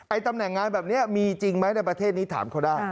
ตำแหน่งงานแบบนี้มีจริงไหมในประเทศนี้ถามเขาได้